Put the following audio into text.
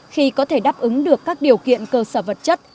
khi có thể đáp ứng được các điều kiện cơ sở vật chất